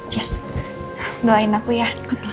jess doain aku ya